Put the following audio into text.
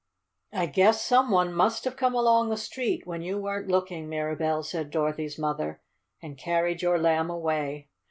"I guess some one must have come along the street when you weren't looking, Mirabell," said Dorothy's mother, "and carried your Lamb away."